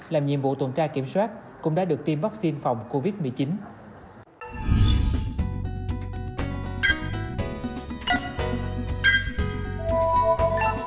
làm nhiệm vụ tuần tra kiểm soát cũng đã được tiêm vaccine phòng covid một mươi chín